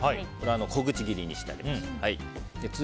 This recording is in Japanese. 小口切りにしてあります。